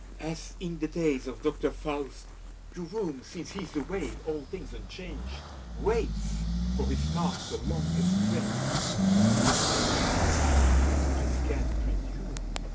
As in the days of Doctor Faust, the room. Since he's away, all things unchanged, Waits for its master long estranged. To venture in, I scarce presume.